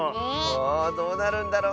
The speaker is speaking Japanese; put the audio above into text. あどうなるんだろうね。